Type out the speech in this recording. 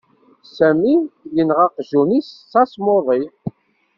Sami yenɣa aqjun-is s tasmuḍi.